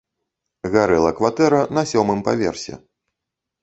Гарэла кватэра на сёмым паверсе.